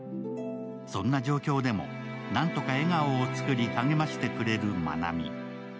そんな状況でも何とか笑顔を作り励ましてくれるまなみ。